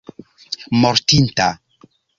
mortinta